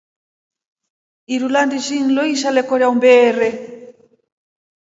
Iru landishi nloksha lekorya umbeere.